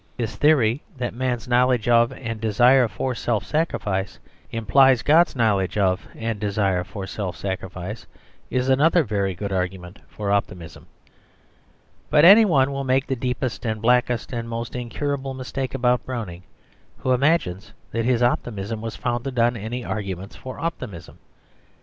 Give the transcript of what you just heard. His theory that man's knowledge of and desire for self sacrifice implies God's knowledge of and desire for self sacrifice is another very good argument for optimism. But any one will make the deepest and blackest and most incurable mistake about Browning who imagines that his optimism was founded on any arguments for optimism.